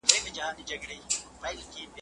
ویښیږي به یو وخت چي اسرافیل وي ستړی سوی ,